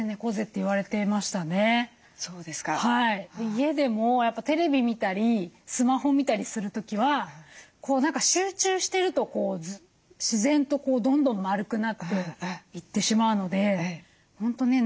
家でもテレビ見たりスマホ見たりする時は何か集中してるとこう自然とどんどん丸くなっていってしまうので本当ね